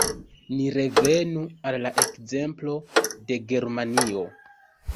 Ni revenu al la ekzemplo de Germanio.